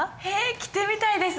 着てみたいです！